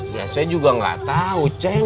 ya saya juga nggak tahu cek